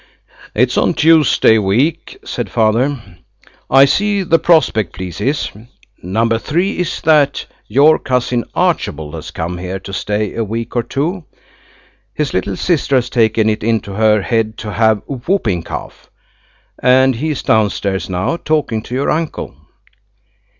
"It's on Tuesday week," said Father. "I see the prospect pleases. Number three is that your cousin Archibald has come here to stay a week or two. His little sister has taken it into her head to have whooping cough. And he's downstairs now, talking to your uncle."